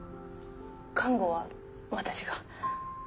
看護は私が。